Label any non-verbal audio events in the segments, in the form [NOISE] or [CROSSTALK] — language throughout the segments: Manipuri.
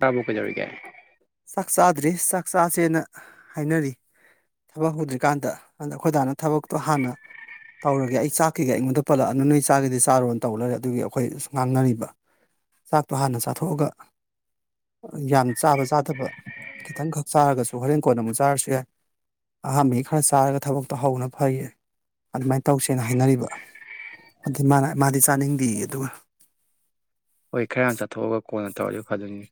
ꯇꯥꯕ꯭ꯔꯣ ꯀꯩꯗꯧꯔꯤꯒꯦ ꯆꯥꯛ ꯆꯥꯗ꯭ꯔꯤ ꯆꯥꯛ ꯆꯥꯁꯦꯅ ꯍꯥꯏꯅꯔꯤ ꯊꯕꯛ ꯍꯧꯗ꯭ꯔꯤꯀꯥꯟꯗ ꯑꯥꯟꯗ ꯑꯈꯣꯏꯗꯥꯅ ꯊꯕꯛꯇꯣ ꯍꯥꯟꯅ ꯇꯧꯔꯒꯦ ꯑꯩ ꯆꯥꯛꯀꯤꯒ ꯑꯩꯉꯣꯟꯗ ꯄꯜꯂꯛꯑꯅꯨ ꯅꯣꯏ ꯆꯥꯒꯦꯗꯤ ꯆꯥꯔꯣꯟ ꯇꯧ ꯂꯔꯦ ꯑꯗꯨꯒꯤ ꯑꯈꯣꯏ ꯉꯥꯡꯅꯔꯤꯕ ꯆꯥꯛꯇꯣ ꯍꯥꯟꯅ ꯆꯥꯊꯣꯛꯑꯒ ꯌꯥꯝ ꯆꯥꯕ ꯆꯥꯠ ꯇꯕ ꯈꯤꯇꯪꯈꯛ ꯆꯥꯔꯒꯁꯨ ꯍꯣꯔꯦꯟ ꯀꯣꯟꯅ ꯑꯃꯨꯛ ꯆꯥꯔꯁꯨ ꯌꯥꯏ ꯑꯍꯥꯝꯕꯩ ꯈꯔ ꯆꯥꯔꯒ ꯊꯕꯛꯇꯣ ꯍꯧꯅ ꯐꯩꯌꯦ ꯑꯗꯨꯃꯥꯏꯟ ꯇꯧꯁꯦꯅ ꯍꯥꯏꯅꯔꯤꯕ ꯑꯗꯨ ꯃꯥꯅ ꯃꯥꯗꯤ ꯆꯥꯅꯤꯡꯗꯦꯌꯦ ꯑꯗꯨꯒ ꯍꯣꯏ ꯈꯔꯌꯥꯝ ꯆꯠꯊꯣꯛꯑꯒ ꯀꯣꯟꯅ ꯇꯧꯔꯖꯨ ꯐꯗꯣꯏꯅꯤꯅꯦ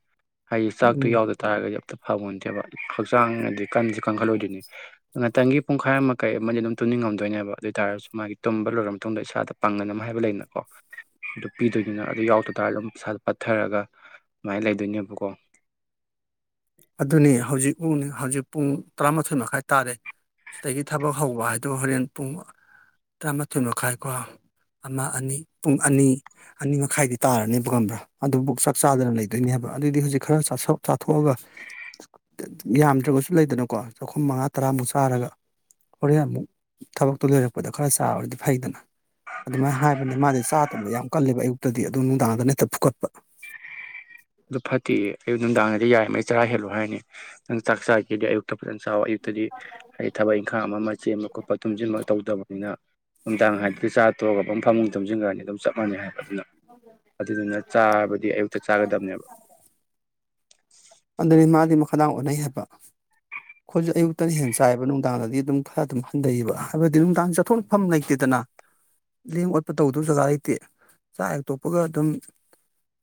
ꯍꯥꯏꯗꯤ ꯆꯥꯛꯇꯣ ꯎꯝ ꯌꯥꯎꯗ ꯇꯥꯔꯒꯗꯤ ꯑꯝꯇ ꯐꯡꯉꯣꯟꯇꯦꯕ ꯍꯛꯆꯥꯡꯅꯗꯤ ꯀꯟꯖꯨ ꯀꯟꯈꯠ ꯂꯣꯛꯑꯣꯏꯗꯨꯏꯅꯤ ꯉꯇꯪꯒꯤ ꯄꯨꯡꯈꯥꯏ ꯑꯃ ꯀꯩ ꯑꯃꯗꯤ ꯑꯗꯨꯝ ꯇꯨꯝꯅꯤꯡꯉꯝꯗꯣꯏꯅꯦꯕ ꯑꯗꯨꯏ ꯑꯣꯏꯇꯥꯥꯔꯁꯨ ꯃꯥꯒꯤ ꯇꯨꯝꯕ ꯂꯣꯏꯔꯕ ꯃꯇꯨꯡꯗ ꯏꯁꯥꯗ ꯄꯥꯡꯉꯟꯅ ꯑꯃ ꯍꯥꯏꯕ ꯂꯩꯅꯀꯣ ꯑꯗꯨ ꯄꯤꯗꯣꯏꯅꯤꯅ ꯑꯗꯨ ꯌꯥꯎꯇ ꯇꯥꯔ ꯗꯨꯝ ꯏꯁꯥꯖꯦ ꯄꯠꯊꯔꯒ ꯃꯥꯏꯟ ꯂꯩꯗꯣꯏꯅꯦꯕꯀꯣ ꯑꯗꯨꯅꯦ ꯍꯧꯖꯤꯛ ꯄꯨꯡ ꯍꯧꯖꯤꯛ ꯄꯨꯡ ꯇꯔꯥꯃꯥꯊꯣꯏ ꯃꯈꯥꯏ ꯇꯥꯔꯦ ꯁꯤꯗꯒꯤ ꯊꯕꯛ ꯍꯧꯕ ꯍꯥꯏꯗꯣ ꯍꯣꯔꯦꯟ ꯄꯨꯡ ꯇꯔꯥꯃꯥꯊꯣꯏ ꯃꯈꯥꯏꯀꯣ ꯑꯃ ꯑꯅꯤ ꯄꯨꯡ ꯑꯅꯤ ꯑꯅꯤ ꯃꯈꯥꯏꯗꯤ ꯇꯥꯔꯅꯦꯕ ꯈꯪꯕ꯭ꯔꯥ ꯑꯗꯨꯕꯨꯛ ꯆꯥꯛ ꯆꯥꯗꯅ ꯂꯩꯗꯣꯏꯅꯦꯕ ꯑꯗꯨꯏꯗꯤ ꯍꯧꯖꯤꯛ ꯈꯔ ꯆꯥꯁꯣꯛ ꯆꯥꯊꯣꯛꯑꯒ ꯌꯥꯝꯗ꯭ꯔꯕꯁꯨ ꯂꯩꯗꯅꯀꯣ ꯆꯥꯛꯈꯣꯝ ꯃꯉꯥ ꯇꯔꯥꯃꯨꯛ ꯆꯥꯔꯒ ꯍꯣꯔꯦꯟ ꯑꯃꯨꯛ ꯊꯕꯛꯇꯨ ꯂꯣꯏꯔꯛꯄꯗ ꯈꯔ ꯆꯥꯔꯗꯤ ꯐꯩꯗꯅ ꯑꯗꯨꯃꯥꯏ ꯍꯥꯏꯕꯅꯦ ꯃꯥꯗꯤ ꯆꯥꯗꯕ ꯌꯥꯝ ꯀꯜꯂꯦꯕ ꯑꯌꯨꯛꯇꯗꯤ ꯑꯗꯨ ꯅꯨꯡꯗꯥꯡꯗꯅ ꯍꯦꯠꯇ ꯐꯨꯀꯠꯄ ꯑꯗꯨ ꯐꯠꯇꯤꯌꯦ ꯑꯌꯨꯛ ꯅꯨꯡꯗꯥꯡꯗꯤ ꯌꯥꯔꯤꯝꯃꯩ ꯆꯔꯥ ꯍꯦꯜꯂꯨ ꯍꯥꯏꯅꯤ ꯅꯪ ꯆꯥꯛ ꯆꯥꯏꯒꯦꯗꯤ ꯑꯌꯨꯛꯇ ꯐꯖꯟ ꯆꯥꯎꯋꯣ ꯑꯌꯨꯛꯇꯗꯤ ꯍꯩꯏ ꯊꯕꯛ ꯏꯪꯈꯥꯡ ꯑꯃ ꯑꯃ ꯆꯦꯟꯕ ꯈꯣꯠꯄ ꯇꯨꯝꯖꯤꯟꯕ ꯇꯧꯗꯕꯅꯤꯅ ꯅꯨꯃꯤꯗꯥꯡ ꯍꯥꯏꯕꯗꯨꯗꯤ ꯆꯥ ꯇꯣꯛꯑꯒ ꯑꯕꯝ ꯐꯃꯨꯡ ꯇꯨꯝꯖꯤꯟꯒ꯭ꯔꯅꯤ ꯑꯗꯨꯝ ꯆꯞ ꯃꯥꯅꯩ ꯍꯥꯏꯕ ꯑꯗꯨꯅ ꯑꯗꯨꯗꯨꯅ ꯆꯥꯕꯗꯤ ꯑꯌꯨꯛꯇ ꯆꯥꯒꯗꯕꯅꯦꯕ ꯑꯗꯨꯅꯤ ꯃꯥꯗꯤ ꯃꯈꯥꯗꯥꯡ ꯑꯣꯟꯅꯩ ꯍꯥꯏꯕ [INAUDIBLE] ꯈꯣꯏꯗꯤ ꯑꯌꯨꯛꯇꯗꯤ ꯍꯦꯟ ꯆꯥꯏꯍꯥꯕ ꯅꯨꯡꯗꯥꯡꯗꯗꯤ ꯑꯗꯨꯝ ꯈꯔ ꯑꯗꯨꯝ ꯍꯟꯗꯩꯌꯦꯕ ꯍꯥꯏꯕꯗꯤ ꯅꯨꯡꯗꯥꯡ ꯆꯠꯊꯣꯛꯔꯐꯝ ꯂꯩꯇꯦꯗꯅ ꯂꯦꯡ ꯑꯣꯠꯄ ꯇꯧꯗꯧ ꯖꯒ ꯂꯩꯇꯦ ꯆꯥꯛ ꯍꯦꯛ ꯇꯣꯛꯄꯒ ꯑꯗꯨꯝ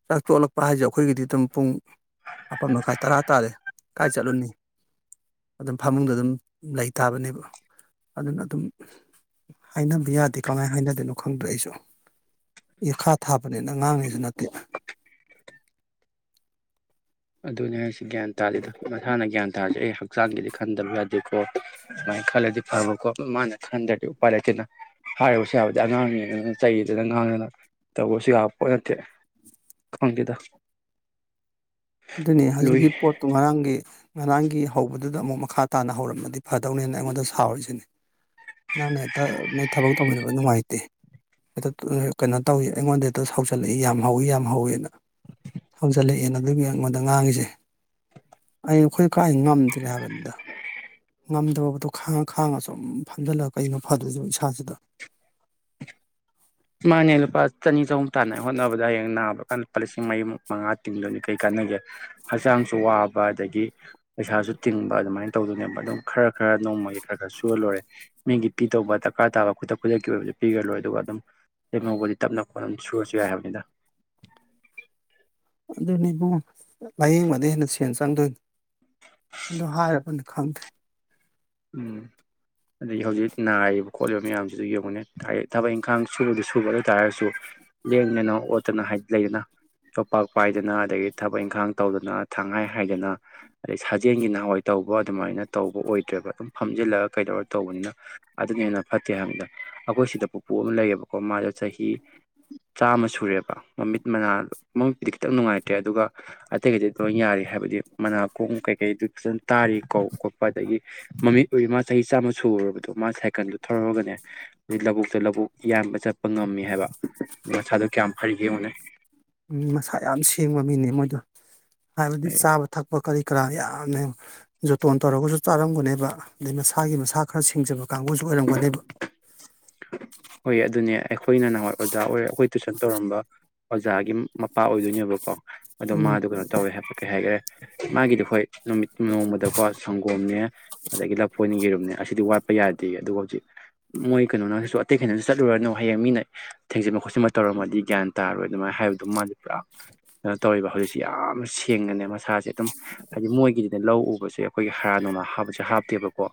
ꯆꯥꯛ ꯇꯣꯂꯛꯄ ꯍꯥꯏꯖꯦ ꯑꯩꯈꯣꯏꯒꯤꯗꯤ ꯗꯨꯝ ꯄꯨꯡ ꯃꯥꯄꯟ ꯃꯈꯥꯏ ꯇꯔꯥ ꯇꯥꯔꯦ ꯀꯥꯏ ꯆꯠꯂꯨꯅꯤ ꯑꯗꯨꯝ ꯐꯃꯨꯡꯗ ꯑꯗꯨꯝ ꯂꯩ ꯇꯥꯕꯅꯦꯕ ꯑꯗꯨꯅ ꯑꯗꯨꯝ ꯍꯥꯏꯅꯕ ꯌꯥꯗꯦ ꯀꯃꯥꯏ ꯍꯥꯏꯅꯗꯣꯏꯅꯣ ꯈꯪꯗ꯭ꯔꯦ ꯑꯩꯁꯨ ꯏꯈꯥ ꯊꯥꯕꯅꯦꯅ ꯉꯥꯡꯅꯦꯖꯨ ꯅꯠꯇꯦ ꯑꯗꯨꯅꯤ ꯍꯥꯏꯁꯤ ꯒ꯭ꯌꯥꯟ ꯇꯥꯗꯦꯗ ꯃꯁꯥꯅ ꯒ꯭ꯌꯥꯟ ꯇꯥꯔꯗꯤ ꯑꯩ ꯍꯛꯆꯥꯡꯒꯤꯗꯤ ꯈꯟꯗꯕ ꯌꯥꯗꯦꯀꯣ ꯁꯨꯃꯥꯏ ꯈꯜꯂꯗꯤ ꯐꯕꯀꯣ ꯃꯥꯅ ꯈꯟꯗ꯭ꯔꯗꯤ ꯎꯄꯥꯏ ꯂꯩꯇꯦꯅ ꯍꯥꯏꯔꯨꯕꯁꯨ ꯌꯥꯕ ꯅꯠꯇꯦ ꯑꯉꯥꯡꯅꯤꯗꯅ ꯆꯩꯗꯅ ꯉꯥꯡꯗꯅ ꯇꯧꯕꯁꯨ ꯌꯥꯕ ꯄꯣꯠ ꯅꯠꯇꯦ ꯈꯪꯗꯦꯗ ꯑꯗꯨꯅꯦ ꯂꯨꯏ ꯍꯧꯖꯤꯛꯀꯤ ꯄꯣꯠꯇꯣ ꯉꯔꯥꯡꯒꯤ ꯉꯔꯥꯡꯒꯤ ꯍꯧꯕꯗꯨꯗ ꯑꯃꯨꯛ ꯃꯈꯥ ꯇꯥꯅ ꯍꯧꯔꯝꯃꯗꯤ ꯐꯗꯧꯅꯦꯅ ꯑꯩꯉꯣꯟꯗ ꯁꯥꯥꯎꯔꯤꯁꯤꯅꯤ ꯅꯪꯅ ꯍꯦꯛꯇ ꯅꯣꯏ ꯊꯕꯛ ꯇꯧꯃꯤꯟꯅꯕ ꯅꯨꯡꯉꯥꯏꯇꯦ ꯍꯦꯛꯇ ꯀꯩꯅꯣ ꯇꯧꯋ ꯑꯩꯉꯣꯟꯗ ꯍꯦꯛꯇ ꯁꯥꯎꯖꯜꯂꯛꯏ ꯌꯥꯝ ꯍꯧꯋ ꯌꯥꯝ ꯍꯧꯋꯤꯅ ꯍꯧꯖꯤꯜꯂꯛꯑꯦꯅ ꯑꯗꯨꯒꯤ ꯑꯩꯉꯣꯟꯗ ꯉꯥꯡꯉꯤꯖꯦ ꯑꯩꯅ ꯑꯩꯈꯣꯏ ꯀꯥꯏ ꯉꯝꯗ꯭ꯔꯦ ꯍꯥꯏꯕꯅꯤꯗ ꯉꯝꯗꯕꯗꯣ ꯈꯥꯡꯉ ꯈꯥꯡꯉ ꯁꯨꯝ ꯐꯝꯖꯜꯂꯒ ꯀꯩꯅꯣ ꯐꯗꯣꯏꯖꯤꯕꯣ ꯏꯁꯥꯁꯤꯗ ꯃꯥꯅꯦ ꯂꯨꯄꯥ ꯆꯅꯤ ꯆꯍꯨꯝ ꯇꯥꯟꯅ ꯍꯣꯠꯅꯕꯗ ꯍꯌꯦꯡ ꯅꯥꯕ [UNINTELLIGIBLE] ꯂꯨꯄꯥ ꯂꯤꯁꯤꯡ ꯃꯔꯤꯃꯨꯛ ꯃꯉꯥ ꯇꯤꯡꯗꯣꯏꯅꯤ ꯀꯔꯤ ꯀꯥꯟꯅꯒꯦ ꯍꯛꯆꯥꯡꯁꯨ ꯋꯥꯕ ꯑꯗꯒꯤ ꯄꯩꯁꯥꯖꯨ ꯇꯤꯡꯕ ꯑꯗꯨꯃꯥꯏꯅ ꯇꯧꯗꯣꯏꯅꯦꯕ ꯑꯗꯨꯝ ꯈꯔ ꯈꯔ ꯅꯣꯡꯃꯒꯤ ꯈꯔ ꯈꯔ ꯁꯨꯔ ꯂꯣꯏꯔꯦ ꯃꯤꯒꯤ ꯄꯤꯗꯧꯕ ꯗꯔꯀꯥꯔ ꯇꯥꯕ ꯈꯨꯗꯛ ꯈꯨꯗꯛꯀꯤ ꯑꯣꯏꯕꯗꯨ ꯄꯤꯒ꯭ꯔ ꯂꯣꯏ ꯑꯗꯨꯒ ꯑꯗꯨꯝ ꯂꯦꯝꯍꯧꯕꯗꯤ ꯇꯞꯅ ꯈꯣꯠꯅ ꯑꯝ ꯁꯨꯔꯁꯨ ꯌꯥꯏ ꯍꯥꯏꯕꯅꯤꯗ ꯑꯗꯨꯅꯦ ꯏꯕꯨꯡꯉꯣ ꯂꯥꯏꯌꯦꯡꯕꯗꯩ ꯍꯦꯟ ꯁꯦꯟ ꯆꯪꯗꯣꯏꯟ ꯑꯗꯣ ꯍꯥꯏꯔꯕꯅꯤ ꯈꯪꯗꯦ ꯎꯝ ꯑꯗꯒꯤ ꯍꯧꯖꯤꯛ ꯅꯥꯔꯤꯕ ꯈꯣꯠꯂꯤꯕ ꯃꯌꯥꯝꯖꯤꯗꯩ ꯌꯦꯡꯉꯨꯅꯦ ꯍꯥꯏꯔꯤ ꯊꯕꯛ ꯏꯪꯈꯥꯡ ꯁꯗꯤ ꯁꯨꯕ ꯑꯗꯨꯢ ꯇꯥꯥꯔꯁꯨ ꯂꯦꯡꯗꯅ ꯑꯣꯠꯇꯅ ꯍꯥꯏꯗ ꯂꯩꯗꯅ ꯌꯣꯄꯥꯛ ꯄꯥꯏꯗꯅ ꯑꯗꯒꯤ ꯊꯕꯛ ꯏꯪꯈꯥꯡ ꯇꯧꯗꯅ ꯊꯪꯍꯥꯏ ꯍꯥꯏꯗꯅ ꯑꯗꯩ ꯁꯥꯖꯦꯟꯒꯤ ꯅꯍꯥꯋꯥꯏ ꯇꯧꯕ ꯑꯗꯨꯃꯥꯏꯅ ꯇꯧꯕ ꯑꯣꯏꯗ꯭ꯔꯦꯕ ꯑꯗꯨꯝ ꯐꯝꯖꯤꯜꯂꯒ ꯀꯩꯗꯧꯔ ꯇꯧꯕꯅꯤꯅ ꯑꯗꯨꯅ ꯍꯦꯟꯅ ꯐꯠꯇꯦ ꯍꯥꯏꯝꯅꯤꯗ ꯑꯈꯣꯏ ꯁꯤꯗ ꯄꯨꯄꯨ ꯑꯃ ꯂꯩꯌꯦꯕꯀꯣ ꯃꯥꯗꯣ ꯆꯍꯤ ꯆꯥꯝꯃ ꯁꯨꯔꯦꯕ ꯃꯃꯤꯠ ꯃꯅꯥ ꯃꯃꯤꯠꯄꯨꯗꯤ ꯈꯤꯇꯪ ꯅꯨꯡꯉꯥꯏꯇ꯭ꯔꯦ ꯑꯗꯨꯒ ꯑꯇꯩ ꯒꯩꯗꯩ ꯂꯣꯏ ꯌꯥꯔꯤ ꯍꯥꯏꯕꯗꯤ ꯃꯅꯥꯀꯣꯡ ꯀꯩꯀꯩꯗꯨ ꯐꯖꯟ ꯇꯥꯔꯤ ꯀꯧ ꯈꯣꯞꯄ ꯑꯗꯒꯤ ꯃꯃꯤꯠ ꯎꯏ ꯃꯥ ꯆꯍꯤ ꯆꯥꯝꯃ ꯁꯨꯨꯔꯕꯗꯣ ꯃꯥ ꯁꯥꯏꯀꯟꯗꯨ ꯊꯧꯔꯒꯅꯦ ꯃꯤ ꯂꯕꯨꯛꯇ ꯂꯕꯨꯛ ꯌꯥꯝꯕ ꯆꯠꯄ ꯉꯝꯃꯤ ꯍꯥꯏꯕ ꯃꯁꯥꯗꯣ ꯀ꯭ꯌꯥꯝ ꯐꯔꯤꯒꯦ ꯌꯦꯡꯉꯨꯅꯦ ꯃꯤ ꯃꯁꯥ ꯌꯥꯝ ꯁꯦꯡꯕ ꯃꯤꯅꯤ ꯃꯣꯏꯗꯣ ꯍꯥꯏꯕꯗꯤ ꯆꯥꯕ ꯊꯛꯄ ꯀꯔꯤ ꯀꯔꯥ ꯌꯥꯝꯅ ꯌꯦꯡ ꯖꯣꯇꯣꯟ ꯇꯧꯔꯒꯖꯨ ꯆꯥꯔꯝꯒꯅꯦꯕ ꯑꯗꯩ ꯃꯁꯥꯒꯤ ꯃꯁꯥ ꯈꯔ ꯁꯦꯡꯖꯕ ꯀꯥꯡꯕꯨꯖꯨ ꯑꯣꯏꯔꯝꯒꯅꯦꯕ ꯍꯣꯏ ꯑꯗꯨꯅꯦ ꯑꯩꯈꯣꯏꯅ ꯅꯍꯥꯋꯥꯏ ꯑꯣꯖꯥ ꯑꯣꯏꯔ ꯑꯩꯈꯣꯏ ꯇꯨꯏꯁꯟ ꯇꯧꯔꯝꯕ ꯑꯣꯖꯥꯒꯤ ꯃꯝ ꯃꯄꯥ ꯑꯣꯏꯗꯣꯏꯅꯦꯕꯀꯣ ꯑꯗꯣ ꯎꯝ ꯃꯥꯗꯣ ꯀꯅꯣ ꯇꯧꯋꯦ ꯍꯥꯏꯕ ꯀꯩ ꯍꯥꯏꯒ꯭ꯔꯦ ꯃꯥꯒꯤꯗꯤ ꯍꯣꯏ ꯅꯨꯃꯤꯠ ꯅꯣꯡꯃꯗꯀꯣ ꯁꯪꯒꯣꯝꯅꯦ ꯑꯗꯒꯤ ꯂꯐꯣꯏꯅꯦ ꯌꯦꯔꯨꯝꯅꯦ ꯑꯁꯤꯗꯤ ꯋꯥꯠꯄ ꯌꯥꯗꯦꯌꯦ ꯑꯗꯨꯒ ꯍꯧꯖꯤꯛ ꯃꯣꯏ ꯀꯩꯅꯣꯅꯁꯨ ꯇꯩ ꯀꯩꯅꯣꯁꯨ ꯆꯠꯂꯨꯔꯅꯣ ꯍꯌꯦꯡ ꯃꯤꯅ ꯊꯦꯡꯖꯤꯟꯕ ꯈꯣꯠꯆꯤꯟꯕ ꯇꯧꯔꯝꯃꯗꯤ ꯒ꯭ꯌꯥꯟ ꯇꯥꯔꯣꯏ ꯑꯗꯨꯃꯥꯏ ꯍꯥꯏꯕꯗꯨ ꯃꯥꯗꯤ ꯄꯨꯔꯥ ꯀꯩꯅꯣ ꯇꯧꯔꯤꯕ ꯍꯧꯖꯤꯛꯁꯤ ꯌꯥꯝ ꯁꯦꯡꯅꯅꯦ ꯃꯁꯥꯁꯦ ꯑꯗꯨꯝ ꯍꯥꯏꯗꯤ ꯃꯣꯏꯒꯤꯗꯤꯅꯦ ꯂꯧ ꯎꯕꯁꯦ ꯑꯩꯈꯣꯏꯒꯤ ꯍꯥꯔ ꯅꯨꯡꯒ ꯍꯥꯞꯄꯁꯦ ꯍꯥꯞꯇꯦꯕꯀꯣ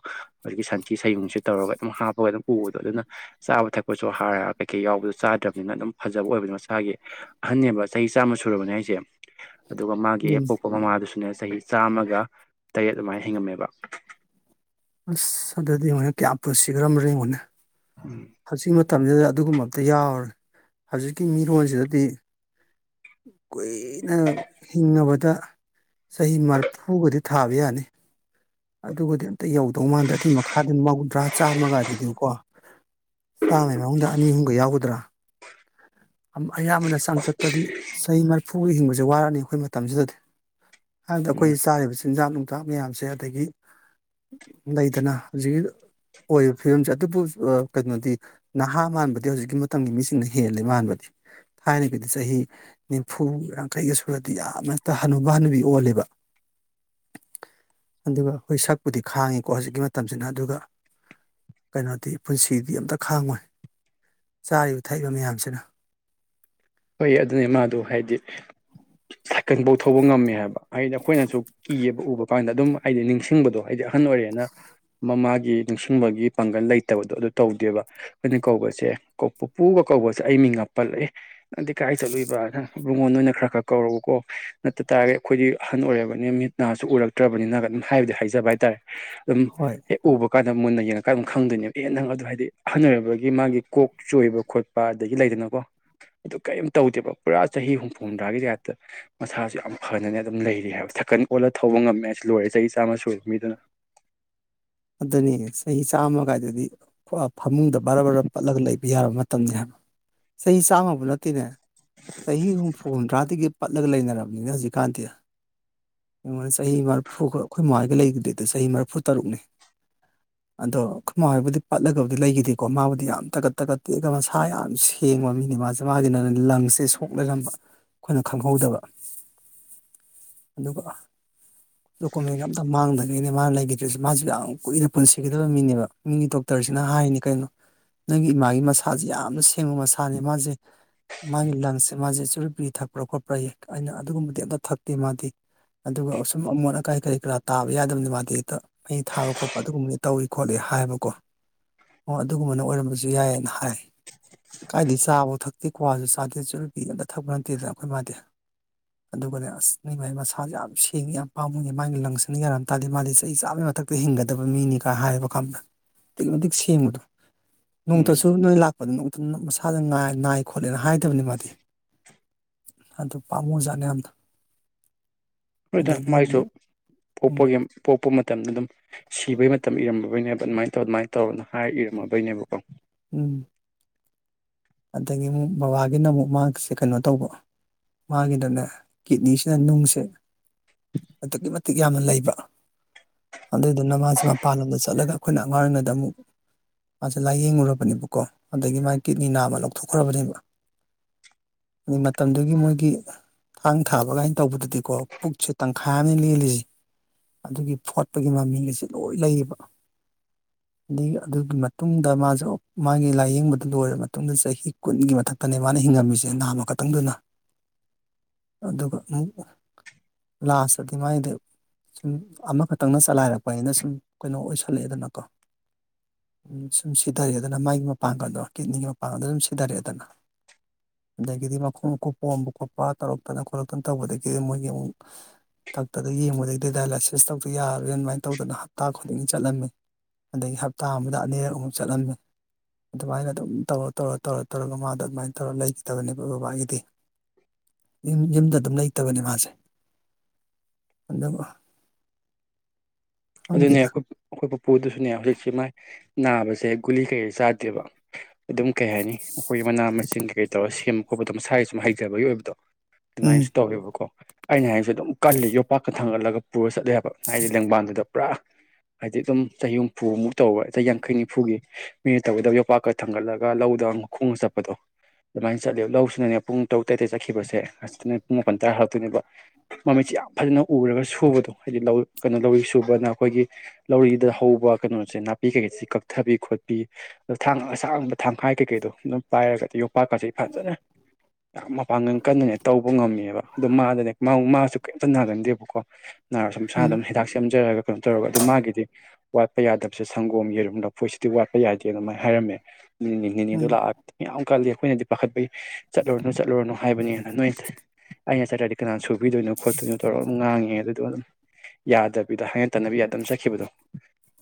ꯍꯧꯖꯤꯛꯀꯤ ꯁꯟꯊꯤ ꯁꯩꯌꯨꯡꯁꯦ ꯇꯧꯔꯒ ꯑꯗꯨꯝ ꯍꯥꯞꯄꯒ ꯑꯗꯨꯝ ꯎꯕꯗꯣ ꯑꯗꯨꯅ ꯆꯥꯕ ꯊꯛꯄꯁꯨ ꯍꯥꯔ ꯀꯩꯀꯩ ꯌꯥꯎꯕꯗꯣ ꯆꯥꯗ꯭ꯔꯝꯅꯤꯅ ꯑꯗꯨꯝ ꯐꯖꯕ ꯑꯣꯏꯕꯗꯣ ꯃꯁꯥꯒꯤ ꯑꯍꯟꯅꯦꯕ ꯆꯍꯤ ꯆꯥꯝꯃ ꯁꯨꯔꯕꯅꯦ ꯍꯥꯢꯁꯦ ꯑꯗꯨꯒ ꯃꯥꯒꯤꯍꯦꯛ ꯑꯗꯨꯅꯤ ꯄꯣꯛꯄ ꯃꯃꯥꯗꯨꯁꯨꯅꯦ ꯆꯍꯤ ꯆꯥꯝꯃꯒ ꯇꯔꯦꯠ ꯑꯗꯨꯃꯥꯏꯟ ꯍꯤꯡꯉꯝꯃꯦꯕ ꯑꯁ ꯑꯗꯨꯗꯤ ꯌꯦꯡꯎꯟꯅꯦ ꯀ꯭ꯌꯥ ꯄꯨꯠꯁꯤꯒ꯭ꯔꯝ ꯔꯦꯡꯉꯨꯅꯦ ꯎꯝ ꯍꯧꯖꯤꯛ ꯃꯇꯝꯖꯤꯗ ꯑꯗꯨꯒꯨꯝꯕ ꯑꯝꯇ ꯌꯥꯎꯔꯦ ꯍꯧꯖꯤꯛꯀꯤ ꯃꯤꯔꯣꯟꯖꯤꯗꯗꯤ ꯀꯨꯏꯅ ꯍꯤꯡꯉꯕꯗ ꯆꯍꯤ ꯃ꯭ꯔꯐꯨꯒꯗꯤ ꯊꯥꯕ ꯌꯥꯅꯤ ꯑꯗꯨꯒꯗꯤ ꯑꯝꯇ ꯌꯧꯗꯧ ꯃꯥꯟꯗꯦ ꯑꯗꯨꯏ ꯃꯈꯥꯗꯟ ꯃꯧꯗ꯭ꯔꯥ ꯆꯥꯝꯃꯒꯥꯗꯨꯗꯤꯀꯣ ꯆꯥꯝꯃꯩ ꯃꯅꯨꯡꯗ ꯑꯅꯤ ꯍꯨꯝꯒ ꯌꯥꯎꯒꯗ꯭ꯔ ꯑꯝ ꯑꯌꯥꯝꯕꯅ ꯆꯥꯡꯆꯠꯇꯗꯤ ꯆꯍꯤ ꯃ꯭ꯔꯐꯨꯒꯤ ꯍꯤꯡꯕꯁꯦ ꯋꯥꯔꯅꯤ ꯑꯩꯈꯣꯏ ꯃꯇꯝꯖꯤꯗꯗꯤ ꯍꯥꯏꯕꯗꯤ ꯎꯝ ꯑꯩꯈꯣꯏꯒꯤ ꯆꯥꯔꯤꯕ ꯆꯤꯟꯖꯥꯛ ꯅꯨꯡꯖꯥꯛ ꯃꯌꯥꯝꯁꯦ ꯑꯗꯒꯤ ꯂꯩꯗꯅ ꯍꯨꯖꯤꯛ ꯑꯣꯏꯔꯤꯕ ꯐꯤꯕꯝꯖꯦ ꯑꯗꯨꯕꯨ ꯑꯥ ꯀꯩꯅꯣꯗꯤ ꯅꯍꯥ ꯃꯥꯟꯕꯗꯤ ꯍꯧꯖꯤꯛꯀꯤ ꯃꯇꯝꯒꯤ ꯃꯤꯁꯤꯡꯅ ꯍꯦꯜꯂꯦ ꯃꯥꯟꯕꯗꯤ ꯊꯥꯏꯅꯒꯤꯗꯤ ꯆꯍꯤ ꯅꯤꯝꯐꯨ ꯌꯥꯡꯈꯩꯒ ꯁꯨꯔꯗꯤ ꯌꯥꯝ ꯍꯠꯇ ꯍꯅꯨꯕ ꯍꯅꯨꯕꯤ ꯑꯣꯜꯂꯦꯕ [INAUDIBLE] ꯑꯗꯨꯒ ꯑꯈꯣꯏ ꯁꯛꯄꯨꯗꯤ ꯈꯥꯡꯉꯤꯀꯣ ꯍꯧꯖꯤꯛꯀꯤ ꯃꯇꯝꯁꯤꯅ ꯑꯗꯨꯒ ꯀꯩꯅꯣꯗꯤ ꯄꯨꯟꯁꯤꯗꯤ ꯑꯝꯇ ꯈꯥꯡꯉꯣꯏ ꯆꯥꯔꯤꯕ ꯊꯛꯏꯕ ꯃꯌꯥꯝꯁꯤꯅ ꯍꯣꯏ ꯑꯗꯨꯅꯦ ꯃꯥꯗꯣ ꯍꯥꯏꯗꯤ ꯁꯥꯏꯀꯟꯕꯧ ꯊꯧꯕ ꯉꯝꯃꯦ ꯍꯥꯏꯕ ꯍꯥꯏꯗꯤ ꯑꯩꯈꯣꯏꯅꯁꯨ ꯀꯤꯌꯦꯕ ꯎꯕ ꯀꯥꯟꯗ ꯑꯗꯨꯝ ꯍꯥꯏꯗꯤ ꯅꯤꯡꯁꯤꯡꯕꯗꯣ ꯍꯥꯏꯗꯤ ꯑꯍꯟ ꯑꯣꯏꯔꯦꯅ ꯃꯃꯥꯒꯤ ꯅꯤꯡꯁꯤꯡꯕꯒꯤ ꯄꯥꯡꯒꯟ ꯂꯩꯇꯕꯗꯣ ꯑꯗꯨ ꯇꯧꯗꯦꯕ ꯈꯣꯢꯅ ꯀꯧꯕꯁꯦ ꯀꯣ ꯄꯨꯄꯨꯨꯒ ꯀꯧꯕꯁꯦ ꯑꯩ ꯃꯤꯡꯒ ꯄꯜꯂꯛ ꯑꯦ ꯅꯪꯗꯤ ꯀꯥꯏ ꯆꯠꯂꯨꯏꯕꯅ ꯢꯕꯨꯡꯉꯣ ꯅꯣꯏꯅ ꯈꯔ ꯈꯔ ꯀꯧꯔꯎꯀꯣ ꯅꯠꯇ ꯇꯥꯔ ꯑꯈꯣꯏꯗꯤ ꯑꯍꯟ ꯑꯣꯏꯔꯕꯅꯤꯟ ꯃꯤꯠ ꯅꯥꯁꯨ ꯎꯔꯛꯇ꯭ꯔꯕꯅꯤꯅꯒ ꯑꯗꯨꯝ ꯍꯥꯏꯕꯨꯗꯤ ꯍꯥꯏꯖꯕ ꯍꯥꯏꯇꯥꯔꯦ ꯑꯗꯨꯝ ꯍꯣꯏ ꯍꯦꯛ ꯎꯕ ꯀꯥꯟꯗ ꯃꯨꯟꯅ ꯌꯦꯡꯉꯀꯥꯟꯗ ꯑꯗꯨꯝ ꯈꯪꯗꯣꯏꯅꯦꯕ ꯑꯦ ꯅꯪ ꯑꯗꯨ ꯍꯥꯏꯗꯤ ꯑꯣꯏꯔꯛꯄꯒꯤ ꯃꯥꯒꯤ ꯀꯣꯛ ꯆꯣꯏꯕ ꯈꯣꯠꯄ ꯄꯥꯗꯒꯤ ꯂꯩꯗꯅꯀꯣ ꯑꯗꯨ ꯀꯔꯤꯝ ꯇꯧꯗꯦꯕ ꯄꯨꯔꯥ ꯆꯍꯤ ꯍꯨꯝꯐꯨ ꯍꯨꯝꯗ꯭ꯔꯥꯒꯤ ꯇꯥꯏꯞꯇ ꯃꯁꯥꯁꯨ ꯌꯥꯝ ꯐꯅꯥꯅꯦ ꯑꯗꯨꯝ ꯂꯩꯔꯤ ꯍꯥꯏꯕ ꯁꯥꯏꯀꯟ ꯑꯣꯠꯂꯒ ꯊꯧꯕ ꯉꯝꯃꯦ ꯍꯥꯏꯁꯦ ꯂꯣꯏꯔꯦ ꯆꯍꯤ ꯆꯥꯝꯃ ꯁꯨꯔꯤ ꯃꯤꯗꯨꯅ ꯑꯗꯨꯅꯤꯅꯦ ꯆꯍꯤ ꯆꯥꯝꯃ ꯀꯥꯏꯗꯨꯗꯤ ꯐꯥꯃꯨꯡꯗ ꯕꯔꯥ ꯕꯔꯥ ꯄꯠꯂꯒ ꯂꯩꯕ ꯌꯥꯔꯕ ꯃꯇꯝꯅꯤ ꯍꯥꯏꯕ ꯆꯍꯤ ꯆꯥꯝꯃꯕꯨ ꯅꯠꯇꯦꯅꯦ ꯆꯍꯤ ꯍꯨꯝꯐꯨ ꯍꯨꯝꯗ꯭ꯔꯥꯗꯒꯤ ꯄꯠꯂꯒ ꯂꯩꯅꯔꯕꯅꯤꯅ ꯍꯧꯖꯤꯛꯀꯥꯟꯗꯤ ꯌꯦꯉꯣ ꯆꯍꯤ ꯃꯔꯐꯨꯒ ꯑꯩꯈꯣꯏ ꯃꯃꯥ ꯍꯣꯏꯒ ꯂꯩꯔꯒꯤꯗꯤꯗꯨ ꯆꯍꯤ ꯃꯔꯤꯐꯨ ꯇꯔꯨꯛꯅꯦ ꯑꯗꯣ ꯑꯩꯈꯣꯏ ꯍꯣꯏꯕꯨꯗꯤ ꯄꯠꯂꯒꯕꯨꯗꯤ ꯂꯩꯈꯤꯗꯦꯀꯣ ꯃꯥꯕꯨꯗꯤ ꯌꯥꯝ ꯇꯥꯒꯠ ꯇꯒꯠ ꯇꯦꯛꯑꯒ ꯃꯁꯥ ꯌꯥꯝ ꯁꯦꯡ ꯌꯦꯡꯕ ꯃꯤꯅꯦ ꯃꯥꯁꯦ ꯃꯥꯒꯤꯅ ꯂꯪꯁꯦ ꯁꯣꯛ ꯂꯩꯔꯝꯕ ꯑꯩꯈꯣꯏꯅ ꯈꯪꯍꯧꯗꯕ ꯑꯗꯨꯒ ꯗꯣꯀꯨꯃꯦꯟ ꯑꯝꯇ ꯃꯥꯡꯗꯒꯩꯅꯦ ꯃꯥꯅ ꯂꯩꯈꯤꯗ꯭ꯔꯤꯁꯨ ꯃꯥꯁꯨ ꯌꯥꯝ ꯀꯨꯏꯅ ꯄꯨꯟꯁꯤꯒꯗꯕ ꯃꯤꯅꯦꯕ ꯃꯤꯒꯤ ꯗꯣꯛꯇꯔꯁꯤꯅ ꯍꯥꯏꯅꯤ ꯀꯩꯅꯣ ꯅꯪꯒꯤ ꯏꯃꯥꯒꯤ ꯃꯁꯥꯁꯦ ꯌꯥꯝꯅ ꯁꯦꯡꯕ ꯃꯁꯥꯅꯦ ꯃꯥꯁꯦ ꯃꯥꯒꯤ ꯂꯪꯁꯦ ꯃꯥꯁꯦ ꯆꯨꯔꯤ ꯕꯤꯔꯤ ꯊꯛꯄ꯭ꯔꯥ ꯈꯣꯠꯄ꯭ꯔꯥꯌꯦ ꯑꯩꯅ ꯑꯗꯨꯒꯨꯝꯕꯗꯤ ꯑꯝꯇ ꯊꯛꯇꯦ ꯃꯥꯗꯤ ꯑꯗꯨꯒ ꯑꯁꯨꯝ ꯑꯃꯣꯠ ꯑꯀꯥꯏ ꯀꯔꯤ ꯀꯔꯥ ꯇꯥꯕ ꯌꯥꯗꯕꯅꯤ ꯃꯥꯗꯤ ꯃꯩ ꯊꯥꯕ ꯈꯣꯠꯄ ꯑꯗꯨꯒꯨꯝꯕꯗꯤ ꯇꯧꯏ ꯈꯣꯠꯂꯤ ꯍꯥꯏꯕꯀꯣ ꯑꯣ ꯑꯗꯨꯒꯨꯝꯕꯅ ꯑꯣꯏꯔꯝꯕꯁꯨ ꯌꯥꯏꯌꯦꯅ ꯍꯥꯏ ꯀꯥꯏꯗꯤ ꯆꯥꯕꯨ ꯊꯛꯇꯦ ꯀ꯭ꯋꯥꯁꯨ ꯆꯥꯗꯦ ꯆꯨꯔꯨꯞ ꯕꯤꯔꯤ ꯑꯝꯇ ꯊꯛꯄ ꯅꯠꯇꯦꯗꯅ ꯑꯩꯈꯣꯏ ꯃꯥꯗꯤ ꯑꯗꯨꯒꯅꯦ ꯑꯁ ꯅꯣꯏ ꯃꯥꯒꯤ ꯃꯁꯥꯁꯦ ꯌꯥꯝ ꯁꯦꯡꯉꯦ ꯌꯥꯝ ꯄꯥꯝꯃꯨꯏꯌꯦ ꯃꯥꯒꯤ ꯂꯪꯁꯅ ꯌꯥꯔꯝ ꯇꯥꯔꯗꯤ ꯃꯥꯗꯤ ꯆꯍꯤ ꯆꯥꯝ ꯃꯊꯛ ꯊꯛꯇ ꯍꯤꯡꯒ ꯃꯤꯅꯤꯒ ꯍꯥꯏꯕ ꯈꯪꯕ꯭ꯔꯥ ꯑꯗꯨꯛꯀꯤ ꯃꯇꯤꯛ ꯁꯦꯝꯕꯗꯣ ꯎꯝ ꯅꯣꯡꯇꯁꯨ ꯅꯣꯏ ꯂꯥꯛ ꯑꯗꯨ ꯅꯣꯡꯇ ꯃꯁꯥꯗ ꯅꯥꯏ ꯈꯣꯠꯂꯦꯅ ꯍꯥꯏꯗꯕꯅꯤ ꯃꯥꯗꯤ ꯑꯗꯨ ꯄꯥꯝꯃꯨ ꯖꯥꯠꯅꯤ ꯌꯥꯝꯅ ꯍꯣꯏꯗ ꯑꯗꯒꯤ ꯃꯒꯤꯁꯨ ꯑꯃꯨꯛ ꯎꯝ ꯄꯣꯛꯄꯒꯤ ꯄꯣꯛꯄ ꯃꯇꯝꯗ ꯑꯗꯨꯝ ꯁꯤꯕꯩ ꯃꯇꯝ ꯏꯔꯝꯗꯕꯩꯅꯦꯕ ꯑꯗꯨꯃꯥꯏꯅ ꯇꯧꯔ ꯑꯗꯨꯃꯥꯏ ꯇꯧꯔ ꯅ ꯍꯥꯏ ꯏꯔꯝꯃꯕꯩꯅꯦꯕꯀꯣ ꯎꯝ ꯑꯗꯒꯤ ꯑꯃꯨꯛ ꯕꯕꯥꯒꯤꯅ ꯑꯃꯨꯛ ꯃꯥꯒꯤꯁꯦ ꯀꯩꯅꯣ ꯇꯧꯕ ꯃꯥꯒꯤꯗꯅꯦ ꯀꯤꯠꯅꯤꯁꯤꯗ ꯅꯨꯡꯁꯦ ꯑꯗꯨꯛꯀꯤ ꯃꯇꯤꯛ ꯌꯥꯝꯅ ꯂꯩꯕ ꯑꯗꯨꯏꯗꯨꯅ ꯃꯥꯖ‌ꯦ ꯃꯄꯥꯟꯂꯣꯝꯗ ꯆꯠꯂꯒ ꯑꯩꯈꯣꯏꯅ ꯑꯉꯥꯡ ꯑꯣꯏꯔꯤꯉꯩꯗ ꯑꯃꯨꯛ ꯃꯥꯁꯦ ꯂꯥꯏꯌꯦꯡꯉꯨꯔꯕꯅꯦꯕꯀꯣ ꯑꯗꯒꯤ ꯃꯥꯏ ꯀꯤꯠꯅꯤ ꯅꯥꯝꯃ ꯂꯧꯊꯣꯛꯈ꯭ꯔꯕꯅꯦꯕ ꯑꯗꯩ ꯃꯇꯝꯗꯨꯒꯤ ꯃꯣꯏꯒꯤ ꯊꯥꯡ ꯊꯥꯕ ꯀꯥꯏꯅ ꯇꯧꯕꯗꯨꯗꯤꯀꯣ ꯄꯨꯛꯁꯦ ꯇꯪꯈꯥꯏ ꯑꯝꯅꯦ ꯂꯦꯜꯂꯤꯖ‌ꯦ ꯑꯗꯨꯒꯤ ꯐꯣꯠꯄꯒꯤ ꯃꯃꯤ ꯒꯁꯤ ꯂꯣꯏ ꯂꯩꯕ ꯑꯗꯩ ꯑꯗꯨꯒꯤ ꯃꯇꯨꯡꯗ ꯃꯥꯖ‌ꯦ ꯃꯥꯒꯤ ꯂꯥꯏꯌꯦꯡꯕꯗꯨ ꯂꯣꯏꯔ ꯃꯇꯨꯡꯗ ꯆꯍ ꯍꯤ ꯀꯨꯟꯒꯤ ꯃꯊꯛꯇꯅꯦ ꯃꯥꯅ ꯍꯤꯡꯉꯝꯃꯤꯁꯦ ꯅꯥꯝꯃ ꯈꯛꯇꯪꯗꯨꯅ ꯑꯗꯨꯒ ꯑꯃꯨꯛ ꯂꯥꯁꯇꯗꯤ ꯃꯥꯏꯗ‌ꯣ ꯁꯨꯝ ꯑꯃꯈꯛꯇꯪꯅ ꯆꯂꯥꯏꯔꯛꯄꯅꯤꯅ ꯁꯨꯝ ꯀꯩꯅꯣ ꯑꯣꯏꯁꯜꯂꯑꯦꯗꯅꯀꯣ ꯎꯝ ꯁꯨꯝ ꯁꯤꯊꯔꯑꯦꯗꯅ ꯃꯥꯒꯤ ꯃꯄꯥꯡꯒꯟꯗꯣ ꯀꯤꯠꯅꯤꯒꯤ ꯃꯄꯥꯡꯒꯟ ꯁꯨꯝ ꯁꯤꯊꯔꯛꯑꯦꯗꯅ ꯑꯗꯒꯤꯗꯤ ꯃꯈꯣꯡ ꯃꯈꯨꯠ ꯄꯣꯝꯕ ꯈꯣꯠꯄ ꯇꯧꯔꯛꯇꯅ ꯈꯣꯠꯂꯛꯇꯅ ꯇꯧꯕꯗꯒꯤꯗꯤ ꯃꯣꯏꯒꯤ ꯑꯃꯨꯛ ꯗꯥꯛꯇꯔꯗ ꯌꯦꯡꯕꯗꯩꯗꯤ ꯗꯥꯏꯂꯥꯏꯁꯤꯁ ꯇꯧꯗ꯭ꯔ ꯌꯥꯔꯔꯣꯏꯅ ꯑꯗꯨꯃꯥꯏꯅ ꯇꯧꯗꯅ ꯍꯞꯇꯥ ꯈꯨꯗꯤꯡꯒꯤ ꯆꯠꯂꯝꯃꯤ ꯑꯗꯒꯤ ꯍꯞꯇꯥ ꯑꯃꯗ ꯑꯅꯤꯔꯛꯃꯨꯛ ꯆꯠꯂꯝꯃꯤ ꯑꯗꯨꯃꯥꯏꯅ ꯑꯗꯨꯝ ꯇꯧꯔ ꯇꯧꯔ ꯇꯧꯔ ꯇꯧꯔꯒ ꯃꯥꯗꯣ ꯑꯗꯨꯃꯥꯏꯟ ꯇꯧꯔ ꯂꯩꯈꯤꯗꯕꯅꯦꯕ ꯕꯕꯥꯒꯤꯗꯤ ꯌꯨꯝ ꯌꯨꯝꯗ ꯑꯗꯨꯝ ꯂꯩꯇꯕꯅꯦ ꯃꯥꯁꯦ ꯑꯗꯨꯝ ꯑꯗꯨꯅꯦ ꯈꯪꯗꯦꯗ ꯑꯩꯈꯣꯏ [UNINTELLIGIBLE] ꯑꯩꯈꯣꯏ ꯄꯨꯄꯨꯗꯨꯁꯨꯅꯦ ꯍꯧꯖꯤꯛꯁꯦ ꯃꯥꯏ ꯅꯥꯕꯁꯦ ꯒꯨꯂꯤ ꯀꯩꯀꯩ ꯆꯥꯗꯦꯕ ꯑꯗꯨꯝ ꯀꯩ ꯍꯥꯏꯅꯤ ꯑꯩꯈꯣꯏ ꯃꯅꯥ ꯃꯁꯤꯡ ꯀꯩꯀꯩ ꯇꯧꯔ ꯁꯦꯝꯕ ꯈꯣꯠꯄꯗꯣ ꯃꯁꯥꯒꯤ ꯁꯨꯝ ꯍꯩꯖꯕꯩ ꯑꯣꯏꯕꯗꯣ ꯎꯝ ꯑꯗꯨꯃꯥꯏꯅꯁꯨ ꯇꯧꯋꯦꯕꯀꯣ ꯑꯩꯅ ꯍꯥꯏꯖ‌ꯦ ꯑꯗꯨꯝ ꯀꯜꯂꯤ ꯌꯣꯝꯄꯥꯛꯀ ꯊꯥꯡꯒꯠꯂꯒ ꯄꯨꯔ ꯆꯠꯂꯦ ꯍꯥ ꯕ ꯍꯥꯏꯗꯤ ꯂꯦꯡꯕꯥꯟꯗꯨꯗ ꯄꯨꯔꯥ ꯍꯥꯏꯗꯤ ꯑꯗꯨꯝ ꯆꯍꯤ ꯍꯨꯝꯐꯨꯃꯨꯛ ꯇꯧꯕ ꯆꯍꯤ ꯌꯥꯡꯈꯩ ꯅꯤꯐꯨꯒꯤ ꯃꯤꯅ ꯇꯧꯒꯗꯕ ꯌꯣꯄꯥꯛꯀ ꯊꯥꯡꯒꯠꯂꯒ ꯂꯧꯗ ꯃꯈꯣꯡꯅ ꯆꯠꯄꯗꯣ ꯑꯗꯨꯃꯥꯏꯅ ꯆꯠꯂꯦꯕ ꯂꯧꯁꯤꯅꯅꯦ ꯄꯨꯡ ꯇꯔꯨꯛ ꯇꯔꯦꯠꯇꯒ ꯆꯠꯈꯤꯕꯁꯦ ꯑꯁꯤꯅ ꯄꯨꯡ ꯃꯥꯄꯟ ꯇꯔꯥ ꯍꯥꯂꯛ ꯇꯣꯏꯅꯦꯕ ꯃꯃꯤꯠꯁꯤ ꯌꯥꯝ ꯐꯖꯅ ꯎꯔꯒ ꯁꯨꯕꯗꯣ ꯍꯥꯏꯗꯤ ꯂꯧ ꯀꯩꯅꯣ ꯂꯧꯔꯤ ꯁꯨ ꯎꯕꯅ ꯑꯩꯈꯣꯏꯒꯤ ꯂꯧꯔꯤꯗ ꯍꯧꯕ ꯀꯩꯅꯣꯁꯦ ꯅꯥꯄꯤ ꯀꯩꯀꯩꯁꯤ ꯀꯛꯊꯕꯤ ꯈꯣꯠꯄꯤ ꯑꯗꯩ ꯊꯥꯡ ꯑꯁꯥꯡꯕ ꯊꯥꯡꯈꯥꯏ ꯀꯩꯀꯩꯗꯣ ꯑꯗꯨꯝ ꯄꯥꯏꯔꯒ ꯌꯣꯝ ꯄꯥꯛꯀꯁꯤ ꯐꯖꯅ ꯌꯥꯝ ꯃꯄꯥꯡꯒꯟ ꯀꯟꯅꯅꯦ ꯇꯧꯕ ꯉꯝꯃꯤꯕ ꯑꯗꯣ ꯃꯥꯗꯅꯦ ꯃꯥ ꯃꯥꯁꯨ ꯀꯩꯝꯇ ꯅꯥꯒꯟꯗꯦꯕꯀꯣ ꯅꯥꯔꯁꯨ ꯃꯁꯥꯟ ꯎꯝ ꯑꯗꯨꯝ ꯍꯤꯗꯥꯛ ꯁꯦꯝꯖꯔꯒ ꯀꯩꯅꯣ ꯇꯧꯔꯒ ꯑꯗꯨ ꯃꯥꯒꯤꯗꯤ ꯋꯥꯠꯄ ꯌꯥꯗꯕꯁꯦ ꯁꯪꯒꯣꯝ ꯌꯦꯔꯨꯝ ꯂꯐꯣꯏꯁꯤꯗꯤ ꯋꯥꯠꯄ ꯌꯥꯗꯦ ꯑꯗꯨꯃꯥꯏ ꯍꯥꯏꯔꯝꯃꯦ [UNINTELLIGIBLE] ꯅꯦꯅꯦꯗꯨ ꯎꯝ ꯂꯥꯛꯑ ꯌꯥꯝ ꯀꯜꯂꯤ ꯑꯩꯈꯣꯏꯅꯗꯤ ꯄꯥꯈꯠꯄꯩ ꯆꯠꯂꯨꯔꯅꯨ ꯆꯠꯂꯨꯔꯅꯨ ꯍꯥꯏꯕꯅ‌ꯦꯅ ꯅꯣꯏ ꯑꯩꯅ ꯆꯠꯇ꯭ꯔꯗꯤ ꯀꯅꯥꯟ ꯁꯨ ꯕꯤꯗꯣꯏꯅꯣ ꯈꯣꯠꯇꯣꯏꯅꯣ ꯇꯧꯔ ꯎꯝ ꯉꯥꯡꯉꯦ ꯑꯗꯨꯗꯨꯑꯥ ꯑꯗꯨꯝ ꯌꯥꯗꯕꯤꯗ ꯍꯥꯏꯅ ꯇꯥꯅꯕꯤ ꯌꯥꯗ ꯗꯨꯝ ꯆꯠꯈꯤꯕꯗꯣ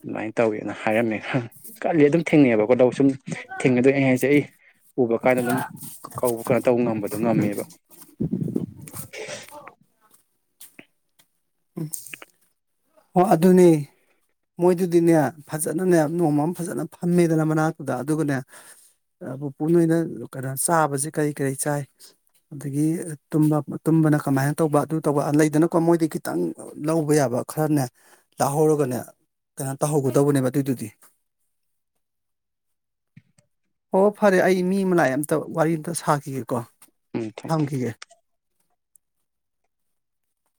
ꯑꯗꯨꯃꯥꯏꯟ ꯇꯧꯋꯦꯅ ꯍꯥꯏꯔꯝꯃꯦ ꯀꯜꯂꯤ ꯑꯗꯨꯝ ꯊꯦꯡꯅꯩꯕꯀꯣ ꯂꯧ ꯁꯨꯝ ꯊꯦꯡꯅꯗꯣꯏ ꯑꯩ ꯍꯥꯏꯁꯦ ꯑꯩ ꯎꯕ ꯀꯥꯟꯗ ꯑꯗꯨꯝ ꯀ ꯀꯧꯕ ꯀꯩꯅꯣ ꯇꯧ ꯉꯝꯕꯗꯣ ꯉꯝꯃꯦꯕ [UNINTELLIGIBLE] ꯎꯝ ꯑꯣ ꯑꯗꯨꯅꯦ ꯃꯣꯏꯗꯨꯗꯤꯅꯦ ꯐꯖꯅꯅꯦ ꯅꯣꯡꯃ ꯑꯃ ꯐꯖꯅ ꯐꯝꯃꯦꯗꯅ ꯃꯅꯥꯛꯇꯨꯗ ꯑꯗꯨꯒꯅꯦ ꯑꯥ ꯄꯨꯄꯨ ꯅꯣꯏꯅ ꯀꯩꯅꯣ ꯆꯥꯕꯖꯤ ꯀꯩ ꯀꯔꯤ ꯆꯥꯏ ꯑꯗꯒꯤ ꯇꯨꯝꯕ ꯇꯨꯝꯕꯅ ꯀꯃꯥꯏꯟ ꯇꯧꯕ ꯑꯗꯨ ꯇꯧꯕ ꯂꯩꯗꯅꯀꯣ ꯃꯣꯏꯗꯩ ꯈꯤꯠ ꯇꯪ ꯂꯧꯕ ꯌꯥꯕ ꯈꯔꯅꯦ ꯇꯥꯍꯧꯔꯒꯅꯦ ꯀꯩꯅꯣ ꯇꯧꯍꯧꯒꯗꯧꯕꯅꯦꯕ ꯑꯗꯨꯏꯗꯨꯗꯤ ꯑꯣ ꯐꯔꯦ ꯑꯩ ꯃꯤ ꯑꯃ ꯂꯥꯛꯑꯦ ꯑꯝꯇ ꯋꯥꯔꯤ ꯑꯝꯇ ꯁꯥꯈꯤꯒꯦꯀꯣ ꯎꯝ ꯊꯝ ꯊꯝꯈꯤꯒꯦ